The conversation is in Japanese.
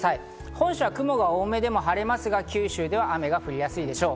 本州は雲が多めでも晴れますが、九州では雨が降りやすいでしょう。